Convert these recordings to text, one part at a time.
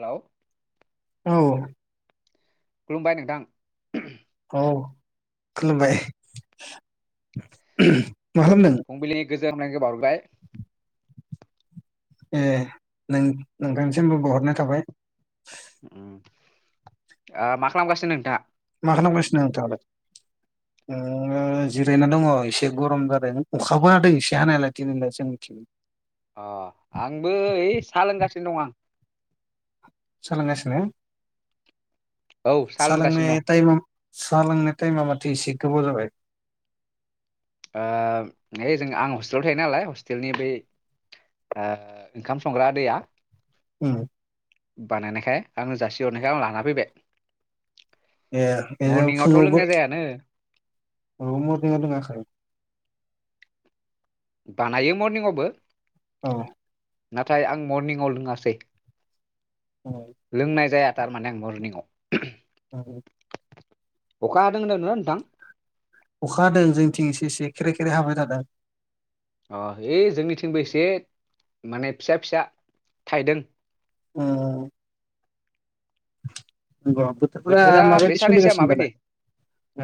Hello औ खुलुमबाय नोंथां औ खुलुमबाय मा खामदों फुंबिलिनि गोजोन हामलायनायखौ बाउहर- बाय ए नों नोंथांसिमबो बाउहरनाय थाबाय उम ओ मा खालामगासिनो नोंथाङा मा खालामगासिनो नोंथाङालाय ओ जिरायना दङ एसे गरम जादों अखाबो हादों एसे हानायालाय दिनैलाय जोंनिथिं अ आंबो ओइ सा लोंगासिनो नो दं आं सा लोंगासिनो औ साहा सा लोंगासिनो दं लोंनाय टाइमाव सा लोंनाय टाइमा माथो इसे गोबाव जाबाय ओ ओइ जों आं हस्टेलाव थायो नालाय हस्टेलनि बै ओ ओंखाम संग्रा आदैया ओम बानायनायखाय आंनो जासिहरनायखाय आं लाना फैबाय ए मरनिंआवथ' फुङावबो लोंनाय जायानो औ मरनिंआव लोङाखै बानायो मरनिंआवबो औ नाथाय आं मरनिंआव लोङासै औ लोंनाय जाया थारमाने आं मरनिंआव [unintelligible] अखा हादों होनदों नोंथां अखा हादों जोंनिथिं एसे एसे ख्रे ख्रे हाबाय थादों। अ ओइ जोंनिथिंबो एसे माने फिसा फिसा थाइदों उक्ष नोंग बोथोरफोरा बोथोरा बे माबायदि साननैसोआ सोलिगासिनो दालाय माबायदि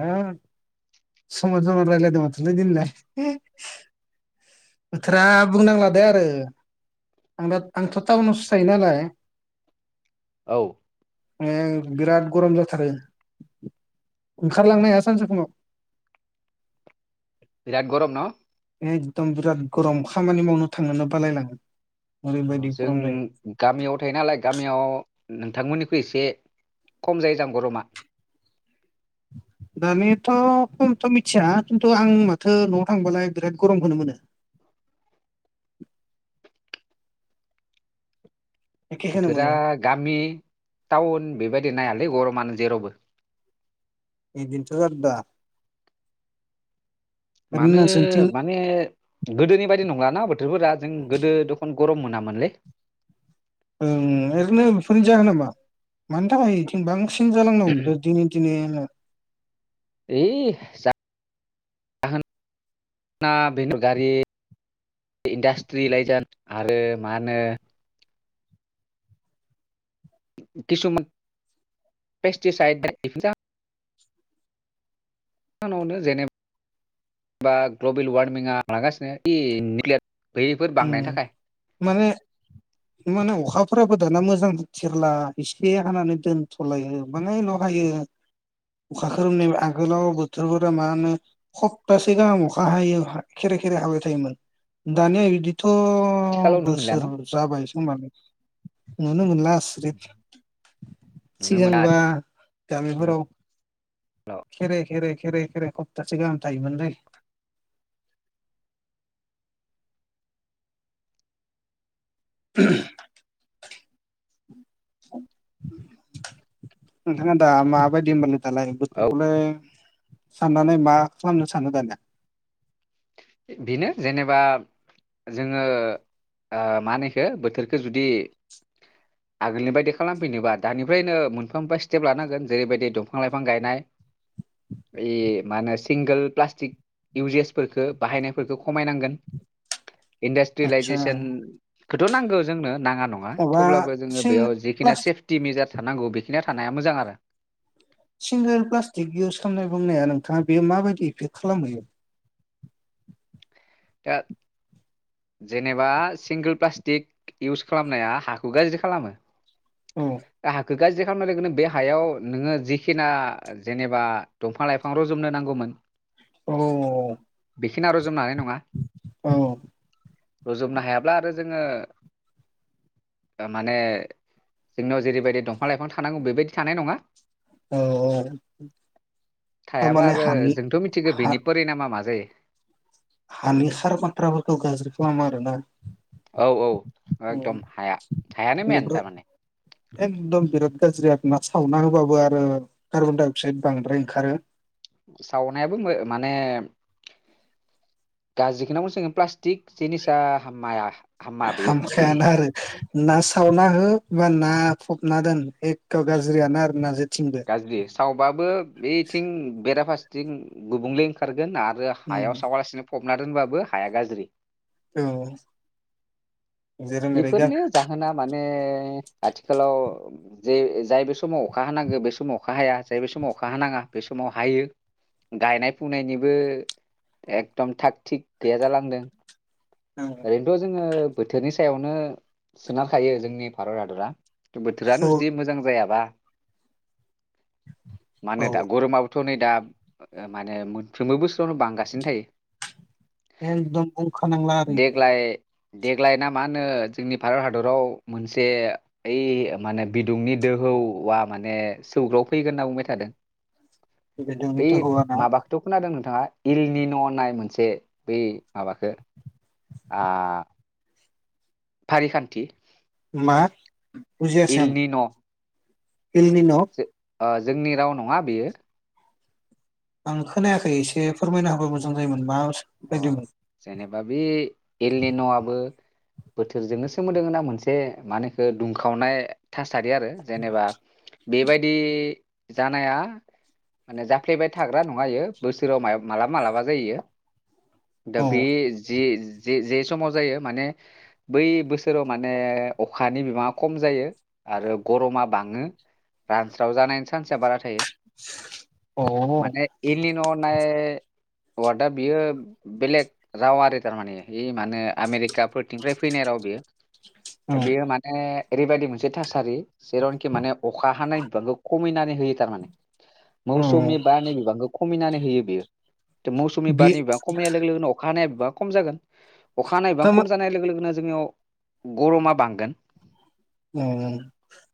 ओ [unintelligible] माथोलाय दिनिलाय बोथोरा बुंनांला दे आरो आं दा आंथ टाउनावसो थायो नालाय औ ओं बिराद गरम जाथारो ओंखारलांनो हाया सानजुफुंङाव बिराद गरम न एकदम बिराद गरम खामानि मावनो थांनोनो बालायलाङो औ ओरैबायदि जों गरम जायो गामियाव थायो नालाय गामियाव नोंथांमोननिख्रुइ इसे खम जायो जां गरमा दानियाथ' खमथ' मिथिया खिन्थु आं माथो न'आव थांबालाय बिराद गरमखौनो मोनो। एखेखौनो बोथोरा मोनो गामि टाउन बेबायदि नायाल है गरमानो जेरावबो। एदिनथ' जादो दा। ओरैनो मानो नोंसोरनिथिं माने गोदोनि बायदि नंलाना बोथोरफोरा जों गोदो दखन गरम मोनामोनलै। ओम ओरैनो बेफोरनो जाहोना मा मानि थाखाय इथिं बां सिन जालांनो हमलों दिनै दिनेनो ओइ [unintelligible] बेनो गारि इन्डास्ट्रि लायजार आरो मा होनो। किसुमान पेस्टिसाइड। [unintelligible] [unintelligible] नावनो जेनेबा ग्लबेल वार्मिंआ लागासिनो। [unintelligible] उम माने माने अखा फोराबो दाना मोजां थेरला एसे हानानै दोनथलायो बाङायल हायो अखा खोरोमनाय आगोलाव बोथोरफोरा मा होनो खप्तासे गाहाम अखा हायो खेरे खेरे हाबाय थायोमोन दानियादि। थह आथिखालाव नुनो मोनला बोसोर न जाबायसं नुनो मोनला। [unintelligible] नुनो मोना सिगांबा आथिखाल गामिफोराव हेल' खेरे खेरे। खेर खेरे खप्तासे गाहाम थायोमोनलै। ओम। नोंथाङा दा माबादि मोनो। दालाय औ बोथोरखौलाय। साननानै मा खालामनो सानो दानिया। बेनो जेनेबा जोङो ओ मा होनोखो बोथोरखो जुदि आगोलनि बायदि खालामफैनोबा दानिफ्रायनो मोनफा मोनफा स्टेप लानांगोन जेरैबायदि दंफां लाइफां गायनाय बे मा होनो सिंगोल प्लास्टिक इउजेसफोरखो। बाहायनायफोरखौ खमायनांगोन। आदसा इन्डास्ट्रियेलाइजेसनखौथ नांगो जोंनो नाङा नङा माबा थेवब्लाबो जोङो सिं बेयाव जिखिनि प्लास्टिक सेफटि मेजार्स। थानांगौ बेखिनिया थानाया मोजां आरो। सिंगोल प्लास्टिक इउस खालामनाय बुंनाया नोंथाङा बे माबायदि इफेक्ट खालामहैयो। दा जेनेबा सिंगोल प्लास्टिक इउस खालामनाया हाखौ गाज्रि खालामो। औ दा हाखो। गाज्रि खालामनाय लोगो लोगोनो बे हायाव नोङो जिखिना जेनेबा दंफां लाइफां रजबनो नांगौमोन औ बेखिना रजबनो हानाय नङा। औ। रुजुबनो हायाब्ला आरो जोङो माने जोंनाव जेरैबायदि दंफां लाइफां थानांगौ बेबायदि थानाय नङा। औ औ थायाबा थारमाने आरो हानि जोंथ मिथिगो हा बेनि परिनामा मा जायो। हानि सार खनथ्राफोरखौ गाज्रि खालामो आरोना। औ औ उम एकदम हाया हायानो मेन बेनिफ्राय थारमाने। एकदम बिराद गाज्रि आरो ना सावना होबाबो आरो कार्बन डाइ, अक्साइद बांद्राय ओंखारो। सावनायाबो मो-माने गाज्रि खोनो जोंङो प्लास थिग जिनिसा हामाया हामा बेयो हामखायाना आरो ना सावना हो बा ना फबना दोन एख गाज्रियानो आरो ना जे गाज्रि सावबाबो बेथिं बेराफारस थिं गुबुंले ओंखारगोन आरो उम हायाव सावालासिनो फबना दोनबाबो हाया गाज्रि औ जेरै मेरै गा बेफोरनि जाहोना माने ने आथिखालाव जे जाय बे समाव अखा हानांगौ बे समाव अखा हाया जाय बे समाव अखा हानाङा बे समाव हायो गायनाय फुनायनिबो एकदम थाग थिग गैया जालांदों। औ ओरै नोथ‌ जोंङो बोथोरनि सायावनो सोनारखायो जोंनि भारत हादरा बोथोरानो स' जुदि मोजां जायाबा मानो औ दा गरमा थ नै दा माने मोनफ्रोमबो बोसोरावनो बांगासिनो थायो। एकदम बुंंखा नांला आरो ब इखो देग्लाय देग्लाय ना मा होनो जोंनि भारत हादराव मोनसे ओइ माने बिदुंनि दोहौवा माने सौग्राव फैगोन होनना बुंबाय थादों। बे बेबायदिथ' हौवाना माबाखौथ खोनादों नोंथा आ इलनिन होननाय मोनसे बै माबाखो आ फारि खान्थि मा? बुजियासै आं एलनिन' एलनिन'? ओ जोंनि राव नंङा बेयो। आं खोनायाखै एसे फोरमायना होबा मोजां जायोमोन मा अ बायदिमोन जेनेबा बे एलनिन'आबो बोथोरजोंनो सोमोन्दो गोनां मोनसे मा होनो बेखो दुंखावनाय थास सारि आरो जेनेबा बेबायदि जानाया माने जाफ्लेबाय थाग्रा नङा इयो बोसोराव मायाब मालाबा जायो। दा औ बे जेज जे-जे समाव जायो माने बै बोसोराव माने अखानि बिबाङा खम जायो। आरो गरमा बाङो रानस्राव जानायनि सान्स बारा थायो। औ माने एलिनन'होन्नाय अवार्डआ बियो बेलेग राव आरो थारमाने इ मा होनो आमेरिकाफोरथिफ्राय फैनाय राव बेयो। औ बियो माने ओरैबायदि मोनसे थासारि जेरावनाखि माने अखा हानाय बिबांखौ खमायनानै होयो थारमाने। औ मौसुमि बारनि बिबांखौ खमिनानै होयो बेयो मौसुमि बे बारनि बिबां खमनिया लोगो लोगोनो अखा हानाय बिबाङा खम जागोन अखा नायबा थारमा खम जानाय लोगो लोगोनो जोंनियाव गरमा बांगोन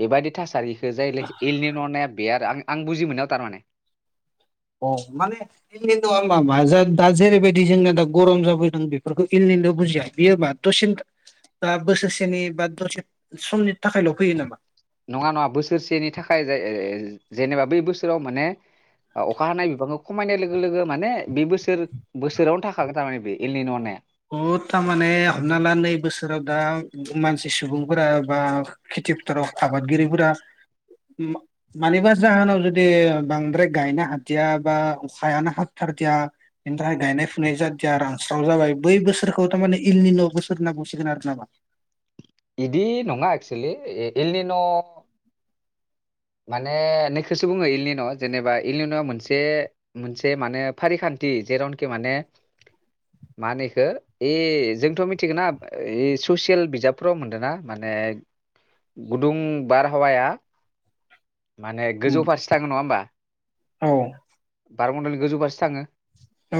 बेबायदि थासारिखौ जायलै एलनि अनाया बे आरो आं आं बुजि मोन्नायाव थारमाने। अ माने इललि दआ मा दा जेरैबायदि जोंना दा गरम जाबो जों बेफोरखौ इललिड बुजिया बियोबा दसे बा बोसोरसेनि बा दसे समनि थाखायल फैयो नामा? नङा नङा बोसोरसेनि थाखाय जे जेनेबा बै बोसोराव माने अखा हानाय बिबांखौ खमायनाय लोगो लोगो माने बे बोसोर बोसोरावनो थाखागोन थारमाने बे एलनि न होन्नाया। बह थारमाने हमना ला नै बोसोराव दा मानसि सुबुंफोरा बा खेथि फोथाराव आबादगिरिफोरा मानिबा जाहोनाव जुदि बांद्राय गायनो हादिया बा अखायानो हाथाथारदिया बेनि थाखाय गायनाय फुनाय जाादिया रानस्राव जाबाय बै बोसोरखौ थारमाने इलनि न बोसोर होन्ना बुंसिगोन आरो नामा? बिदि नङा एक्सुवेलि एलनि न माने नोखोसो बुङो इललिन जेनेबा इललिनआ मोनसे मोनसे माने फारिखान्थि जेरावनाखि माने मा होनो इखो एह जोंथ मिथिगोना ससियेल बिजाबफोराव मोन्दो ना माने गुदुं बारहावाया माने गोजौ फारसे थाङो नङा होमबा औ। बारमन्दलनि गोजौ फारसे थाङो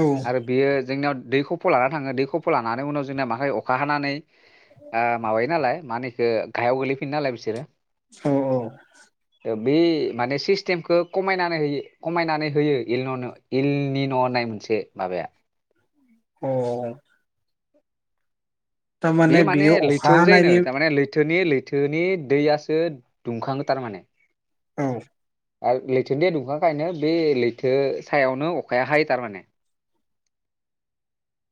औ आरो बेयो जोंनियाव दै खफ लाना थाङो दै खफ लानानै उनाव जोंना माखाय अखा हानानै ओ माबायो नालाय मानि ओ गाहायाव गोलैफिन नालाय बिसोरो औ औ। बे माने सिस्टेमखौ खमायनानै होयो खमायनानै होयो इलन नो इलनि न होन्नाय मोनसे माबाया अ। थारमाने बियो अखा हानायनि थोनि लैथोनि दैयासो दुंखाङो थारमाने। औ। आरो लैथोनि दै दुंखांखायनो बे लैथो सायावनो अखाया हायो थारमाने।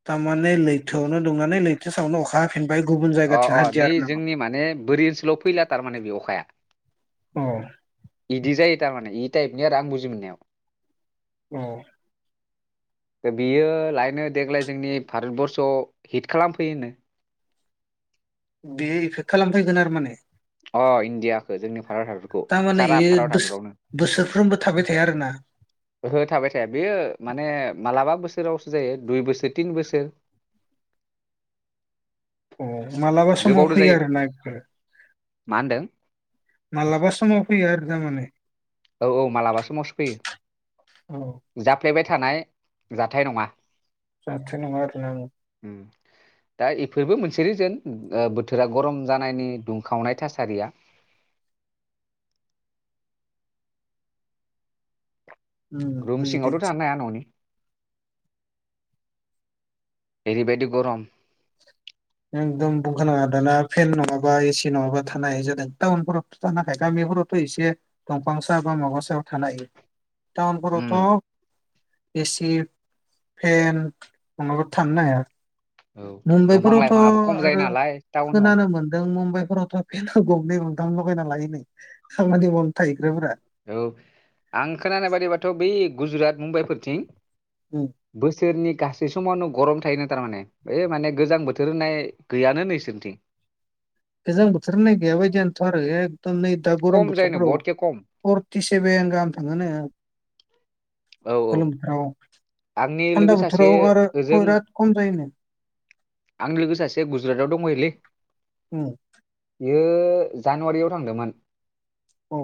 थारमाने लैथोआवनो दुंनानै लैथो सावनो अखा हाफिन अ अ नै जोंनि माने बोरि ओन्सोलाव फैला थारमाने बे अखाया। औ इदि जायो थारमाने इद टाइपनि आरो आं बुजि मोन्नायाव। अ। दा बियो लायनो देग्लाय जोंनि भारतबर्सआव हिट खालामफैयोनो। बेयो एफेक्ट खालामफैगोन आरो माने? अ इण्डियाखौ जोंनि भारत हादरखौ थारमाने सारा इयो भारत बोस हादरावनो बोसोरफ्रोमबो थाबाय थाया आरो ना। ओहो थाबाय थाया बेयो माने मालाबा बोस सोरावसो जायो दुइ बोसोर तिन बोसोर अ मालाबा समाव गोबावनो फैयो जायो आरोना बेफोरो? मा होनदों? मालाबा समाव फैया आरो ना माने? औ औ मालाबा समावसो औ फैयो जाफ्लेबाय था थानाय जाथाय नङा। जाथाय नङा आरोना औ उम दा इफोरबो मोनसे रिजोन बोथोरा गरम जानायनि दुंखावनाय थासारिया। उम रुम बुजिदों सिङावथ' थानो हाया न'नि [inaudible] ओरैबायदि गरम एकदम बुंखा नाङा दाना फेन नङाबा एसि नङाबा थानो ह जादों टाउनफोरावथ' थानो हाखाया गामिफोरावथ' एसे दंफांसा बा माबा सायाव थानो हायो। उम ताउनफोरावथ' एसि फेन नङाबाथ' थानोनो हाया। औ दंफां मुम्बाइफोरावथ' लााय फांआबो खम जायो नालाय टाउनाव। फोरावथ' फेनानो गंनै गंथाम लगायना लायोनो खामानि मावनो थाहैग्राफोरा। औ आं खोनानाय बादिबाथ' बै गुजरात मुम्बाइफोरथिं उम बोसोरनि गासै समावनो गरम थायो नो थारमाने ओइ माने गोजां बोथोर होननाय गैयानो नो इसोरनिथिं गोजां बोथोर गैया बादियानो थ' आरो एग नै दा खम गरम जायोनो बोथोरफ्राव बहुदखे खम फरटिसेभेन गाहाम थाङोनो। खलुम औ आंनि लोगो थान्दा सासे बोथोराव आरो ओजों [unintelligible] खम जायोनो। आंनि लोगो सासे गुज गुजरातआव दंहैलै। उम बियो जानुवारियाव थांदोंमोन। औ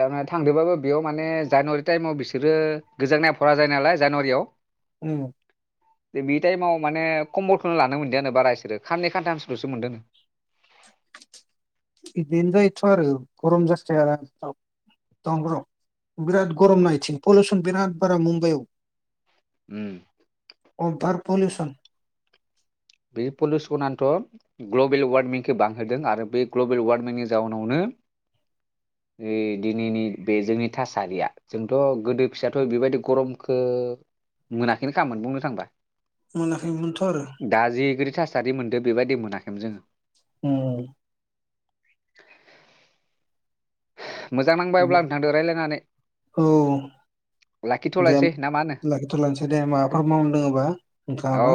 जाङा थांदोंबाबो बेयाव माने जानुवारि टाइमाव बिसोरो गोजांनाय भ'रा जायो नालाय जानुवारियाव उम द बे टाइमाव माने कम्बलखौनो लानो मोनदियानो बारा इसोरो खाननै खान्थामसलसो मोनदों। बिदिनो जायोथ आरो गरम जासथाय [inaudible] बिराद गरम ना इथिं पलिउसन बिराद। फोरा मुमबाइ। उम। बार पलिउसन। बे पलिउसनानोथ ग्लबेल वारमिंखौ बांहोदों आरो बे ग्लबेल वारमिंनि जाउनावनो दिनैनि बे जोंनि थासारिया जोंथ गोदो फिसायाथ बेबायदि गरमखौ मोनाखैनो खामोन बुंनो थांबा मोनाखै मोनथ आरो दा जिबायदि थासारि मोनदों बेबायदि मोनाखैमोन जोङो। ओम मोजां नांबाय अब्ला नोंथांदो रायलायनानै औ दे लाखिथ'लायसै ना मा होनो लाखिथ लानोसै दे माबाफोर मावदोंङबा नोंथाङाबा।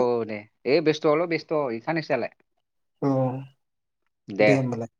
ए बेस्थल बेस्थ सानैसोआलाय। औ दे होनबालाय।